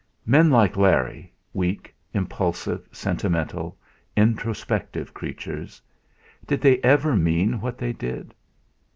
Men like Larry weak, impulsive, sentimental, introspective creatures did they ever mean what they did?